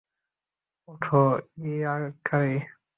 ওঠো, ইয়াকারি।